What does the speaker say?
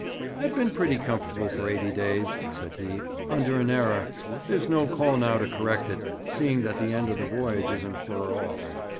'I've been pretty comfortable for eighty days,' said he, 'under an error. There's no call now to correct it, seeing that the end of the voyage isn't fur off.'